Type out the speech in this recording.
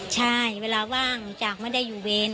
ใช่เวลาว่างจากไม่ได้อยู่เวร